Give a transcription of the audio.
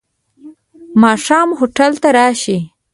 ماښام هوټل ته راشې.